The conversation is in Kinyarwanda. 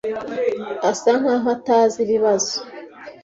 asa nkaho atazi ibibazo.